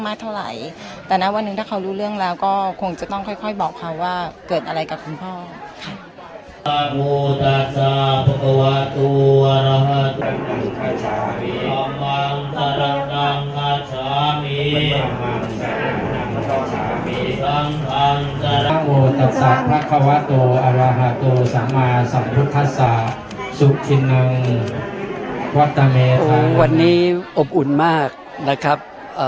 เท่าไหร่แต่นะวันหนึ่งถ้าเขารู้เรื่องแล้วก็คงจะต้องค่อยค่อยบอกเขาว่าเกิดอะไรกับคุณพ่อค่ะ